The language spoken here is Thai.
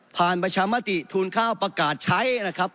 ประชามติทูลข้าวประกาศใช้นะครับ